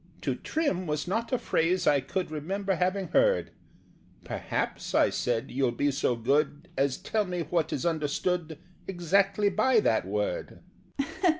"To trim" was not a phrase I could Remember having heard: "Perhaps," I said, "you'll be so good As tell me what is understood Exactly by that word?"